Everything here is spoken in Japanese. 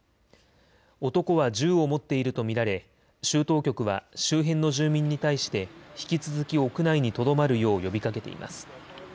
男は銃を持っていると見られ州当局は周辺の住民に対して引き続き屋内にとどまるよう呼びかけています。